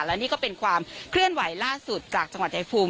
และนี่ก็เป็นความเคลื่อนไหวล่าสุดจากจังหวัดชายภูมิ